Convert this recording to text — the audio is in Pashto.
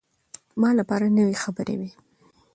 ما لپاره نوې خبرې وې.